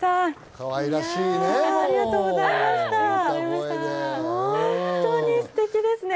かわいらしいね。